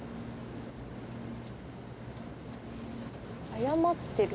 謝ってる？